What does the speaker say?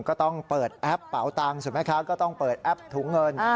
ก็ต้องเปิดแอปเปาตังส่วนแม่ค้าก็ต้องเปิดแอปถุงเงิน